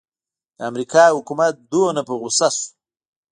د امریکا حکومت دومره په غوسه شو.